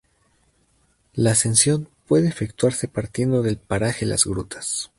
La ascensión puede efectuarse partiendo del paraje "Las Grutas".